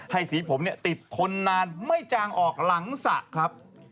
ให้สีผมเนี่ยติดทนนานไม่จางออกหลังสะครับ